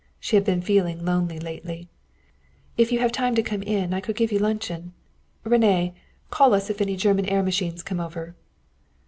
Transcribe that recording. She had been feeling lonely lately. "If you have time to come in I could give you luncheon. René can tell us if any German air machines come over."